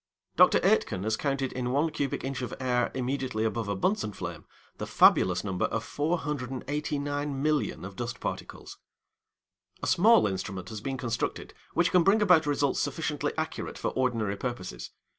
Dr. Aitken has counted in 1 cubic inch of air immediately above a Bunsen flame the fabulous number of 489,000,000 of dust particles. A small instrument has been constructed which can bring about results sufficiently accurate for ordinary purposes.